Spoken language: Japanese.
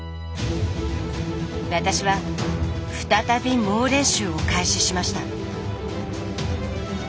私は再び猛練習を開始しました。